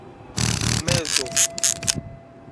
mezo